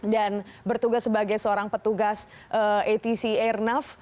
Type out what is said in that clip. dan bertugas sebagai seorang petugas atc airnav